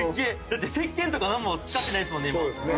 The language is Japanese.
だってせっけんとか何も使ってないっすもんね